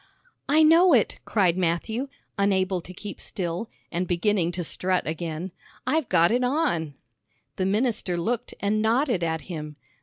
'" "I know it," cried Matthew, unable to keep still, and beginning to strut again. "I've got it on." The minister looked and nodded at him.